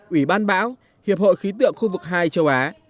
ủy ban bão hiệp hội khí tượng khu vực hai châu á